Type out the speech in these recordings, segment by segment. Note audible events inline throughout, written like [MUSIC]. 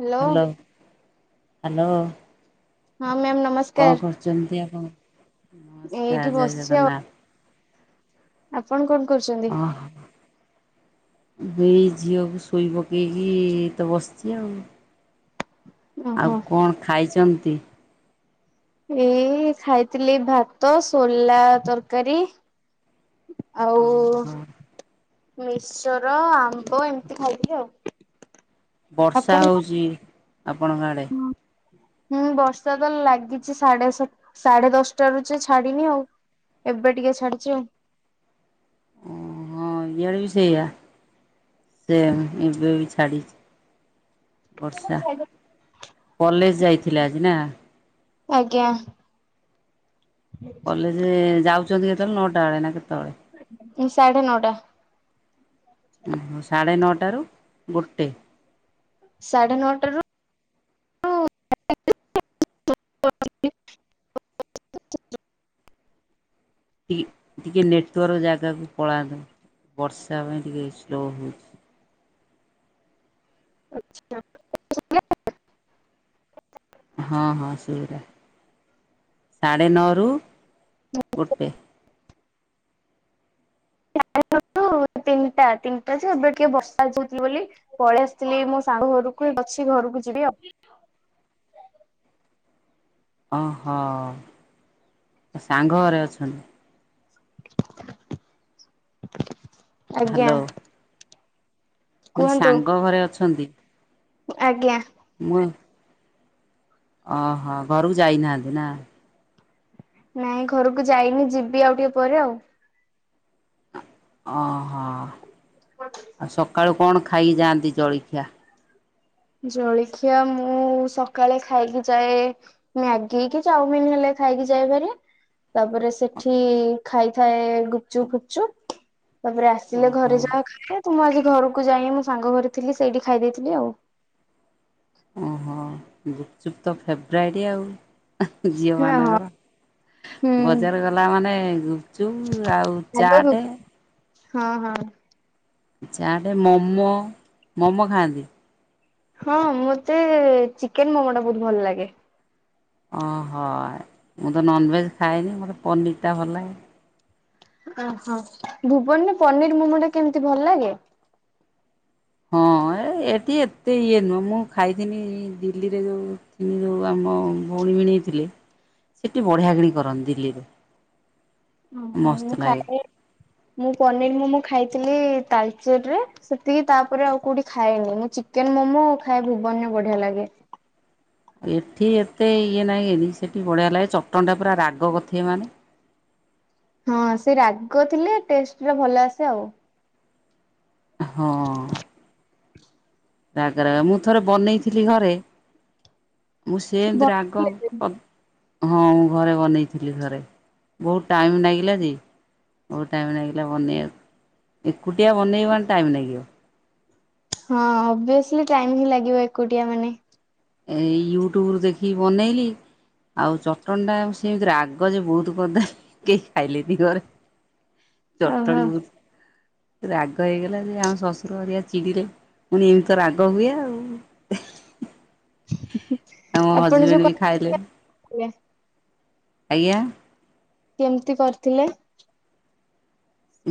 Hello hello hello. ହଁ ma'am ନମ କଣ କରୁଛନ୍ତି ଆପଣ ନମସ୍କାର ଏଇଠି ଜୟ ବସିଛି ଆଉ ଜଗନ୍ନାଥ। ଆପଣ କନ୍ କରୁଛନ୍ତି? ଓହୋ ଏଇ ଝିଅକୁ ଶୋଇ ପକେଇକି ତ ବସଛି ଆଉ। ଓହୋ ଆଉ କଣ ଖାଇଛନ୍ତି? ଏଇ ଖାଇଥିଲି ଭାତ ସୋଲା ତରକାରୀ। ଆଉ ଓହୋ ମିକ୍ସଚର ଆମ୍ବ ଏମତି ଖାଇଥିଲି ଆଉ। ବର୍ଷା ଆପଣ କଣ? ହଉଛି ଆପଣଙ୍କ ଆଡ଼େ। ହୁଁ ବର୍ଷା ତ ଲାଗିଛି ସାଢେ ସା ସାଢେ ଦଶଟା ରୁ ଯେ ଛାଡିିନି ଆଉ। ଏବେ ଟିକେ ଛାଡିଛି ଆଉ। ଓହୋ ଇଆଡ଼େ ବି ସେଇଆ। ସେ ଏବେ ଛାଡ଼ିଛି। ବର୍ଷା ଆଉ କଲେଜ ଯାଇଥିଲା ଆଜି ନା। ଆଜ୍ଞା। କଲେଜେ ଯାଉଚନ୍ତି କୁତୋଳେ ନଅଟାବେଳେ ନା କେତୋଳେ? ସାଢେ ନଅଟା। ଓହ ସାଢ଼େ ନଅଟାରୁ ଗୋଟେ? ସାଢେ ନଅଟାରୁ [INAUDIBLE] ଟି ଟିକେ ନେଟୱାର୍କ ଜାଗାକୁ ପଳାନ୍ତୁ ବର୍ଷା ପାଇଁ ଟିକେ ଇସୁ ରହୁଚି। ଆଚ୍ଛା। ହଁ ହଁ ସଇରା ସାଢ଼େ ନଅରୁ ଗୋଟେ। ଓହୋ ତିନିଟା ତିନିଟା ଯେ ଏବେ ଟିକେ ବର୍ଷା ହୋଉଚି ବୋଲି ପଳେଆସଥିଲି ମୋ ସାଙ୍ଗ ଘରକୁ ଅଛି ଘରକୁ ଯିବି ଆଉ। ଓହୋ ସାଙ୍ଗ ଘରେ ଅଛନ୍ତି। ଆଜ୍ଞା। ମୁଁ କହିଲି କୁହନ୍ତୁ ସାଙ୍ଗ ଘରେ ଅଛନ୍ତି। ଆଜ୍ଞା। ମୁଁ ଅ ଓହୋ ଘରକୁ ଯାଇନାହାନ୍ତି ନା? ନାଇଁ ଘରକୁ ଯାଇନି ଯିବି ଆଉ ଟିକେ ପରେ ଆଉ। ଓହୋ ଆଉ ସକାଳୁ କଣ ଖାଇକି ଯାଆନ୍ତି ଜଳିଖିଆ? ଜଳିଖିଆ ମୁଁ ସକାଳେ ଖାଇକି ଯାଏ ମ୍ୟାଗି କି ଚାଉମିନ ହେଲେ ଖାଇକି ଯାଇପାରିବେ। ତାପରେ ସେଠି ଖାଇଥାଏ ଗୁପଚୁପ ଫୁପଚୁପ୍। ତାପରେ ଆସିଲେ ଓହୋ ଘରେ ଯାହା ଖାଏ ତ ମୁଁ ଆଜି ଘରକୁ ଯାଇନି ସାଙ୍ଗ ଘରେ ଥିଲି ସେଇଠି ଖାଇ ଦେଇଥିଲି ଆଉ। ଓହୋ ଗୁପଚୁପ୍ ତ ଫେବରାଇଟି ଆଉ। ହଁ ଝିଅମାନଙ୍କର ହୁଁ ବଜାର ଗଲାମାନେ ଗୁପ ଚୁପ ଆଉ ଆଗରୁ ଚାଟେ ହଁ ହଁ। ଚାଟେ, ମୋମୋ, ମୋମୋ ଖାଆନ୍ତି? ହଁ ମତେ ଚିକେନ ମୋମୋଟା ବୋହୁତ ଭଲଲାଗେ। ଓହୋ ମୁଁ ତ ନନଭେଜ୍ ଖାଏନି ମତେ ପନିରଟା ଭଲଲାଗେ। ଓହୋ ଭୁବନରେ ପନିର ମୋମୋଟା କେମିତି ଭଲଲାଗେ? ହଁ ଏ ଏଠି ଏତେ ଇଏ ନୁହଁ ମୁଁ ଖାଇଥିନି ଦିଲ୍ଲୀରେ ଯୋଉ ଥିନି ଯୋଉ ଆମ ଭୋଉଣୀ ଭିଣେଇ ଥିଲେ ସେଠି ବଢିଆ କିରି କରନ୍ତି ଦିଲ୍ଲୀରେ। ଓହୋ ମସ୍ତ ମୁଁ ଲାଗେ। ଖାଏ ମୁଁ ପନିର ମୋମୋ ଖାଇଥିଲି ତାଲଚେରିରେ। ସେତିକି ତାପରେ ଆଉ କୋଉଠି ଖାଏନି ମୁଁ ଚିକେନ ମୋମୋ ଖାଏ ଭୁବନରେ ବଢିଆ ଲାଗେ। ଆ ଏଠି ଏତେ ଇଏ ନାହିଁ ଏନି ସେଠି ବଢ଼ିଆ ଲାଗେ ଚଟଣଟା ପୁରା ରାଗ କରିଥିବେ ମାନେ। ହଁ ସେ ରାଗ ଥିଲେ ଟେଷ୍ଟଟା ଭଲ ଆସେ ଆଉ। ହଁ। ରାଗ ରାଗ ମୁଁ ଥରେ ବନେଇଥିଲି ଘରେ। ମୁଁ ସେମତି ରାଗ ବନେଇଥିଲେ? କ ହଁ ମୁଁ ଘରେ ବନେଇଥିଲି ଥରେ ବୋହୁତ ଟାଇମ୍ ନାଗିଲା ଯେ ବୋହୁତ ଟାଇମ୍ ଲାଗିଲା ବନେଇଆ ଏକୁଟିଆ ବନେଇବ ମାନେ ଟାଇମ୍ ଲାଗିବ। ହଁ ଅଭିଅସଲି ଟାଇମ ହିଁ ଲାଗିବ ଏକୁଟିଆ ମାନେ। ଏଇ ୟୁଟ୍ୟୁବରୁ ଦେଖିକି ବନେଇଲି। ଆଉ ଚଟଣିଟା ସେମତି ରାଗ ଯେ ବୋହୁତ କରିଦେଲି କେହି ଖାଇଲେନି ଘରେ। ଓହୋ ଚଟଟଣି ବୋହୁତ ରାଗ ହେଇଗଲା ଯେ ଆମ ଶଶୁର ହରିକା ଚିଡ଼ିିଲେ ମୁଁ କହିନି ଏମିତି ତ ରାଗହୁଏ ଆଉ। ହ ଆଉ ମୋ ହଜବେଣ୍ଡ ବି ଖାଇଲେନି। ଆଜ୍ଞା କେମିତି କରିଥିଲେ?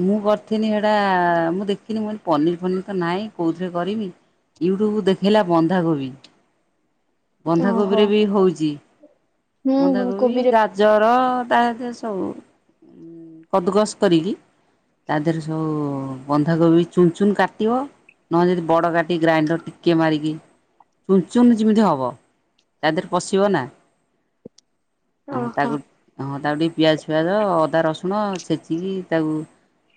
ମୁଁ କରିଥିନି ସେଇଟା ମୁଁ ଦେଖିନି ମୁଁନି ପନିର ଫନିର ତ ନାହିଁ କଉଁଥିରେ କରମି ୟୁଟ୍ୟୁବ ଦେଖେଇଲା ବନ୍ଧାକୋବି ଓହୋ ବନ୍ଧାକୋବିରେ ବି ହଉଛି ହୁଁ ବନ୍ଧାକୋବି କୋବିରେ ଗା ଜର ତା ସହିତ ସବୁ କଦଗସ କରିକି ତାଦେହରେ ସବୁ ବନ୍ଧାକୋବି ଚୁନ ଚୁନ୍ କାଟିବ ନହେଲେ ଯଦି ବଡ କାଟିିକ ଗ୍ରାଇଣ୍ଡର ଟିକେ ମାରିକି ଚୁନ ଚୁନ ଯେମିତି ହେବ ତା ଦେହରେ ପଶିବ ନା ଅ ଓହୋ ତାକୁ ହ ତାକୁ ଟିକେ ପିଆଜ ଫିଆଜ ଅଦା ରସୁଣ ଛେଚିକି ତାକୁ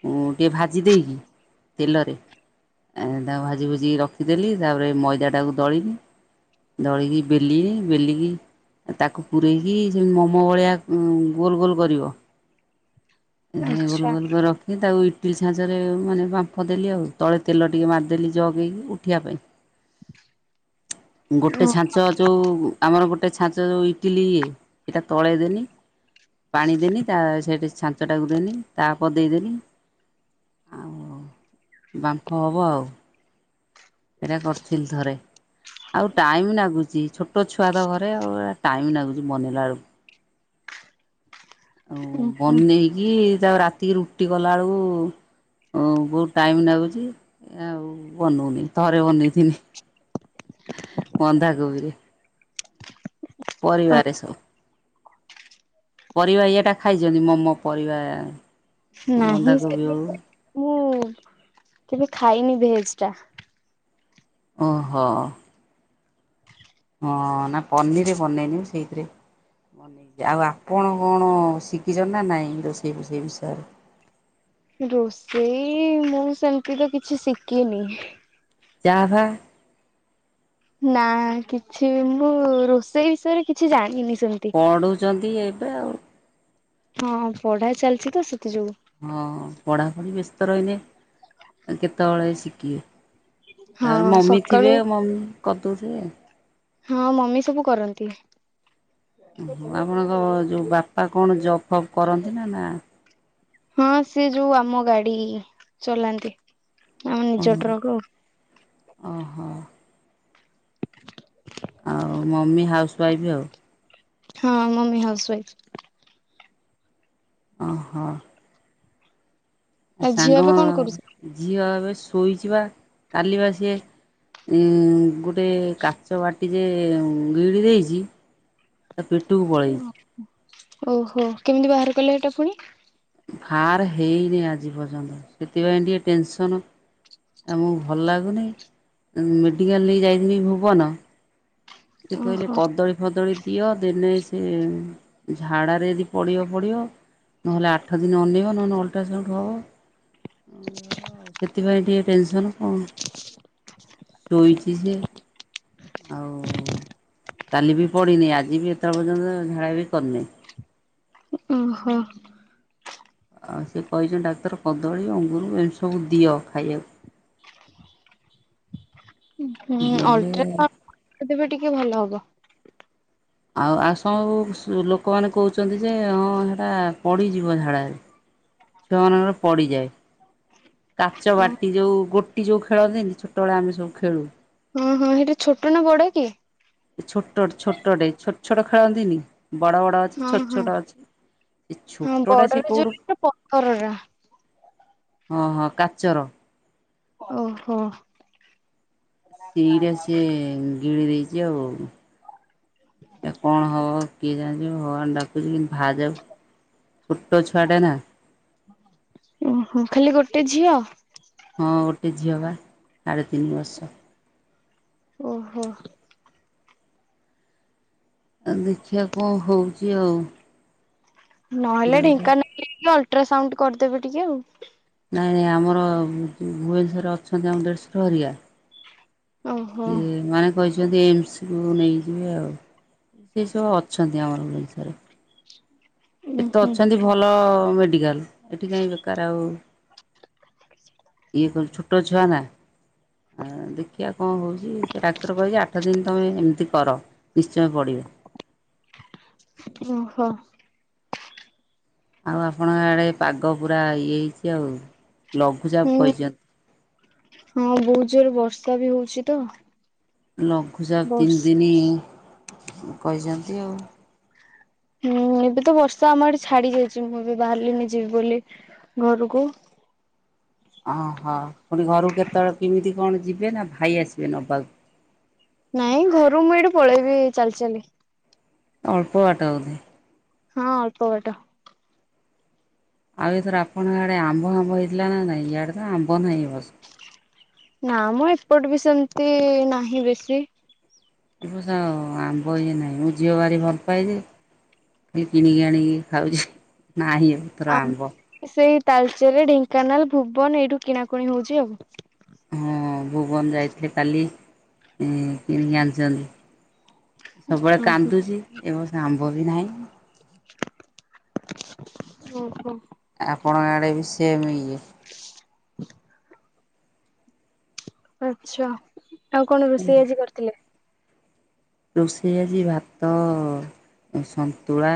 ମୁଁ ଟିକେ ଭାଜି ଦେଇକି ତେଲରେ ଏ ତାକୁ ଭାଜି ଭୁଜି ରଖିଦେଲି ତାପରେ ମଇଦାଟାକୁ ଦଳିିଲି ଦଳିକି ବେଲିି ବେଲିକି ତାକୁ ପୂରେଇକି ସେମ୍ ମୋମୋ ଭଳିଆ ଉ ଗୋଲ ଗୋଲ କରିବ ଗୋଲ ଆଚ୍ଛା। ଗୁଲ କର ର ଖି ତାକୁ ଇଟିଲି ସାଛଞ୍ଚରେ ମାନେ ପାମ୍ଫ ଦେଲି ଆଉ ତଳେ ତେଲ ଟିକେ ମାରିଦେଲି ଜଗେଇକି ଉଠିବା ପାଇଁ ଗୋଟେ ଛାଞ୍ଚ ଅ ଯଉ ଆମର ଗୋଟେ ଛାଞ୍ଚ ଯଉ ଇଟିଲି ଇଏ ଏଇଟା ତଳେଇଦନି ପାଣି ଦେନି ତା ସେଇଠି ଛାଞ୍ଚ ଟାକୁ ଦେନି ତାପରେ ଦେଇଦେନି ଆଉ ବାମ୍ଫ ହେବ ଆଉ। ଏଇଟା କରିଥିଲି ଥରେ। ଆଉ ଟାଇମ ଲାଗୁଚି ଛୋଟ ଛୁଆ ତ ଘରେ ଆଉ ଏ ଟାଇମ ଲାଗୁଛି ବନେଇଲା ବେଳକୁ। ଆଉ ଓହୋ। ବନେଇେକି ତାକୁ ରାତି ରାତିକି ରୁଟି କଲାବେଳକୁ ବହୁତଉ ଟାଇମ୍ ଲାଗୁଛି ଆଉ ବନଉନି। ଥରେ ବନେଇ ଥିନି ବନ୍ଧା କୋବିରେ। ପରିବାରେ ସବୁ। ପରିବା ଇଏଟା ଖାଇଛନ୍ତି ମୋମୋ ପରିବା ନାହିଁ ସେ ବନ୍ଧାକୋବି ହଉ ମୁଁ କେବେ ଖାଇନି ଭେଜ ଟା ଓହୋଃ। ହଁ ନା ପନିର ବନେଇନି ସେଇଥିରେ ଆଉ ଆପଣ କଣ ଶିଖିଛନ୍ତି ନା ନାଇଁ ରୋସେଇ ଫୋ ସେଇ ବିଷୟ ରେ ରୋଷେଇ ମୁଁ ସେମିତି ତ କିଛି ସିକିନି ଚାଫା ନା କିଛି ବି ମୁଁ ରୋଷେଇ ବିଷୟରେ କିଛି ଜାଣିନି ସେମିତି ପଢ଼ୁଛନ୍ତି ଏବେ ଆଉ ହଁ ପଢା ଚାଲିଛି ତ ସେଥି ଯୋଗୁଁ ହଁ ପଢା ପଢ଼ି ବେସ୍ତ ରହିନେ କେତେବେଳେ ଶିଖିବେ ତା ପରେ ହଁ ମମି ସକାଳୁ ଥିବେ ମମି କରୁଦଉଥିବେ ଆଉ ହଁ ମମି ସବୁ କରନ୍ତି ଓ ହୋ ଆପଣଙ୍କ ଯେଉଁ ବାପା କଣ ଜବ୍ ଫବ୍ କରନ୍ତି ନା ନା ହଁ ସେ ଯୋଉ ଆମ ଗାଡି ଚଲାନ୍ତି। ଆମ ଓ ନିଜ ଟ୍ରକ୍ ଆଉ ଓ ହୋ ଆଉ ମମି ହାଉସୱାଇଫ୍ ଆଉ। ହଁ ମମି ହାଉସୱାଇଫ୍। ଓହୋଃ। ଆ ଆଉ ଝିଅ ସାଙ୍ଗ ଏବେ କଣ କରୁଛି? ଝିଅ ଏବେ ଶୋଇଛି ପା କାଲି ବା ସିଏ ଉ ଗୋ ଗୋଟେ କାଚ ବାଟି ଯେ ଗିଳି ଦେଇଛି ତା ପେଟକୁ ପଳେଇଛି। ଓ ହୋ କେମିତି ବାହାର କଲେ ହେଟା ପୁଣି ବାହାର ହେଇନି ଆଜି ପଯ୍ୟନ୍ତ ସେଥି ପାଇଁ ଟିକେ ଟେନ୍ସନ୍ ଆମକୁ ଭଲ ଲାଗୁନି ସେ ଓହୋ କହିଲେ ଦିଅ ଦିନେ ସେ ଝାଡ଼ାରେ ଯଦି ନହେଲେ ଆଠ ଦିନ ଅନେଇବ ସେଥିପାଇଁ ଟିକିେ ଟେନସନ୍ କଣ ଶୋଇଛି ସେ ଆଉ କାଲି ବି ପଡିିନି ଆଜି ବି ଏତେ ପର୍ଯ୍ୟନ୍ତ ଝାଡା ବି କରିନି। ଓହୋଃ। ଆଉ ସେ କହିଛନ୍ତି ଡାକ୍ତର କଦଳୀ ଅଙ୍ଗୁର ଏମିତି ସବୁ ଦିଅ ଖାଇବାକୁ ହଁ ଦେଲେ ଅଲଟ୍ରାସାଉଣ୍ଡ୍ କରିଦେବେ ଟିକେ ଭଲ ହବ। ଆଉ ଆଉ ସବୁ ଲୋକ ଛୁଅ ମାନଙ୍କର ପଡ଼ିଯାଏ। କାଚ ବାଟି ଯୋଉ ଗୋଟି ଯୋଉ ଖେଳନ୍ତିନି ଛୋଟବେଳେ ହଁ ସେଇଟା ଛୋଟ ନା ବଡ଼ ଟିଏ? ଛୋଟ ଛୋଟ ଟିଏ ଛୋଟ ଛୋଟ ଖେଳନ୍ତିନି ବଡ଼ ବଡ଼ ଅଛି ହଁ ଛୋଟ ହଁ ଛୋଟ ଅଛି ସେ ହଁ ଛୋଟ ଟା ସିଏ ବଡରେ କୋଉଠୁ ଯୋଉ ପଥରଟା ହଁ ହଁ କାଚର। ଓହୋଃ। ସେଇଟା ସି ଗିଳି ଦେଇଛି ଆଉ ସେଇଟା କଣ ହବ କିଏ ଜାଣିଛି ଭଗବାନଙ୍କୁ ଡାକୁଛି କେମିତି ବାହାରି ଯାଉ ଛୋଟ ଛୁଆଟା ନା [INAUDIBLE] ହଁ ଗୋଟେ ଝିଅ ବା ସାଢେ ତିନି ବର୍ଷ ଓହୋ ଆଉ ଦେଖିବା କଣ ହଉଛି ଆଉ ନହେଲେ ନାଇଁ ଢେଙ୍କାନାଳ ନେଇକି ଅଲଟ୍ରାସାଉଣ୍ଡ କରିଦେବି ଟିକେ ଆଉ। ନାଇଁ ନାଇଁ ଆମର ଭୁବନେଶ୍ୱରରେ ଅଛନ୍ତି ଆମ ଦେଢ଼ଶର ହରିଆ ଓହୋ ଇଏ ମାନେ କହିଛନ୍ତି ଏମସ କୁ ନେଇଯିବେ ଆଉ ସେ ସବୁ ଅଛନ୍ତି ଆମର ଓଡ଼ିଶାରେ। ଉଁ ସେଠି ତ ହୁଁ ଅଛନ୍ତି ଭଲ ମେଡ଼ିକାଲ ଏଠି କାହିଁ ବେକାର ଆଉ। ଇଏ କଣ ଛଟୋ ଛୁଆ ନା ଆ ଦେଖି ଆ କଣ ହଉଛି ସେ ଡାକ୍ତର କହଛି ଆଠ ଦିନ ତମେ ଏମିତି କର ନିଶ୍ଚୟ ପଡ଼ିବ। ଓହୋ ଆଉ ଆପଣଙ୍କ ଆଡ଼େ ପାଗ ପୁରା ଇଏ ହେଇଛି ଆଉ ଲଘୁଚାପ ହୁଁ କହିଛନ୍ତି। ହଁ ବହୁତ ଜୋରରେ ବର୍ଷା ବି ହଉଛି ତ। ଲଘୁଚାପ ତିନି ବର୍ଷ ଦିନ କହିଛନ୍ତି ଆଉ। ହୁଁ ଏବେ ତ ବର୍ଷା ଆମ ଆଡେ ଛାଡି ଯାଇଛି ମୁଁ ଏବେ ବାହାରିଲିଣି ଯିବି ବୋଲି ଘରକୁ। ଓହୋ ପୁଣି ଘରକୁ କେତେବେଳେ କେମିତି କଣ ଯିବେ ନା ଭାଇ ଆସିବେ ନବାକୁ? ନାଇଁ ଘରୁ ମୁଁ ଏଇଠି ପଳେଇବି ଚାଲି ଚାଲି। ଅଳ୍ପ ବାଟ ହଁ ଅଳ୍ପ ବାଟ ଆଉ ଏଥର ଆପଣ ଆଡେ ଆମ୍ବ ଆମ୍ବ ହେଇଥିଲା ନା ନାଇଁ ଇଆଡେ ତ ଆମ୍ବ ନାହିଁ ଏ ବର୍ଷ। ନା ମ ଏପଟେ ବି ସେମତି ନାହିଁ ବେଶୀ। ଏ ବର୍ଷ ଆମ୍ବ ଇଏ ନାହିଁ ମୁଁ ଝିଅ ଭାରି ଭଲ ପାଏ ଯେ କିଣିକି ଆଣିକି ଖାଉଛି ନାହିଁ ଆ ଆମ୍ବ ସେଇ ତାଲଚେର, ଢେଙ୍କାନାଳ, ଭୁବନ ଏଇଠୁ କିଣାକୁଣି ହଉଛି ଆଉ। ହଁ ଭୁବନ ଯାଇଥିଲେ କାଲି କିଣିକି ଆଣିଛନ୍ତି। ସବୁବେଳେ ଓହୋ କାନ୍ଦୁଛି ଏ ବର୍ଷ ଆମ୍ବ ବି ନାହିଁ। ଓହୋ ଆପଣଙ୍କ ଆଡେ ବି ସେମ୍ ଇଏ। ଆଚ୍ଛା ଆଉ କଣ ରୋଷେଇ ଆଜି କରିଥିଲେ! ରୋଷେଇ ଆଜି ଭାତ, ସନ୍ତୁଳା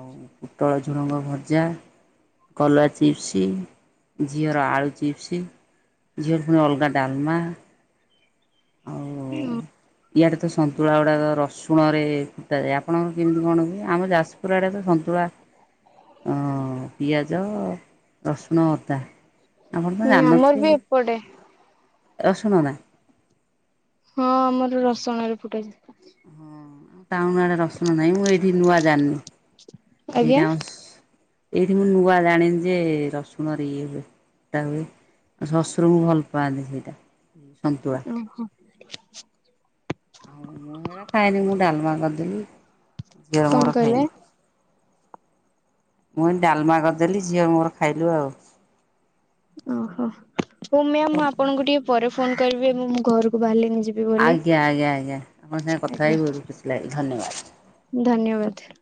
ଆଉ ପୋଟଳ ଝୁଡ଼ଙ୍ଗ ଭଜା। କଲରା ଚିପ୍ସ, ଝିଅର ଆଳୁ ଚିପ୍ସ। ଝିଅର ପୁଣି ଅଲଗା ଡାଲମା। ନା। ଇଆଡେ ତ ସନ୍ତୁଳା ଗୁଡ଼ାକ ରସୁଣରେ ଫୁଟାଯାଏ। ଆପଣଙ୍କର କେମିତି କଣ ହୁଏ? ଆମ ଯାଜପୁର ଆଡ଼େ ତ ସନ୍ତୁଳା ଅଁ, ପିଆଜ, ରସୁଣ, ଅଦା। ଆପଣ ତ ହୁଁ ଆମର ଜାଣିନଥିବେ। ବି ଏପଟେ ରସୁଣ ନା? ହଁ ଆମର ରସୁଣରେ ଫୁଟାଯାଏ। ଟାଉନ୍ ଆଡେ ରସୁଣ ନାହିଁ। ମୁଁ ଏଇଠି ନୂଆ ଜାଣିନି। ସେଇଟା ଆଜ୍ଞା। ଆମ ଏଇଠି ମୁଁ ନୂଆ ଜାଣିନି ଯେ ରସୁଣରେ ଇଏ ହୁଏ ଫୁଟା ହୁଏ। ଆଉ ଶଶୁରଙ୍କୁ ଭଲ ପାଆନ୍ତି ସେଇଟା ଏଇ ସନ୍ତୁଳା। ଓ ହୋ। ଆଉ ମୁଁ ହେରା ଖାଏନି। ମୁଁ ଡାଲମା କରିଦେଲି ଝିଅର କଣ ମୋର କହିଲେ? ଖାଇଲୁ। ମୁଁ ଏଇ ଡାଲମା କରିଦେଲି ଝିଅ ମୋର ଖାଇଲୁ ଆଉ। ଓହୋ, ହଉ ମ୍ୟାମ୍ ମୁଁ ଆପଣଙ୍କୁ ଟିକେ ପରେ ଫୋନ୍ କରିବି। ଏବେ ମୁଁ ଘରକୁ ବାହାରିଲିଣି ଯି ଆଜ୍ଞା, ଆଜ୍ଞା, ଆଜ୍ଞା ଆପଣଙ୍କ ସାଙ୍ଗେ କଥା ଆଜ୍ଞା। ହେଇକି ବହୁତ ଖୁସି ଲାଗିଲା ଧନ୍ୟବାଦ। ଧନ୍ୟବାଦ।